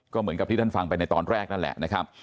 ก็เหมือนกับที่ท่านฟังไปในตอนแรกนั่นแหละนะครับ